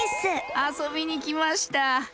あそびにきました。